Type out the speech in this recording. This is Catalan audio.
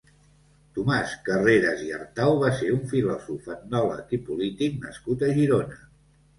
Tomàs Carreras i Artau va ser un filòsof, etnòleg i polític nascut a Girona.